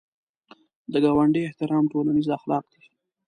د ګاونډي احترام ټولنیز اخلاق دي